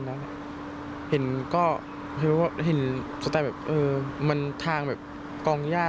ทางนี้เขาบอกว่ามันทางเยี่ยงออก